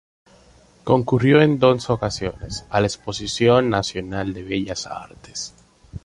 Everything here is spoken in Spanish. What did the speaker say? Concurrió en dos ocasiones a la Exposición Nacional de Bellas Artes.